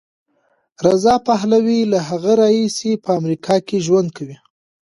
رضا پهلوي له هغې راهیسې په امریکا کې ژوند کوي.